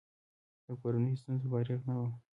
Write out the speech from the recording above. له کورنیو ستونزو فارغ نه وم.